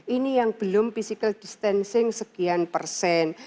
ini yang belum physical distancing sekian persen